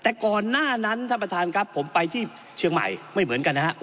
แต่ก่อนหน้านั้นท่านประธานครับผมไปที่เชียงใหม่ไม่เหมือนกันนะฮะ